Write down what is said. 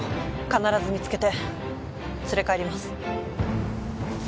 必ず見つけて連れ帰ります。